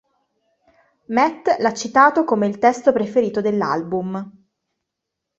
Matt l'ha citato come il testo preferito dell'album.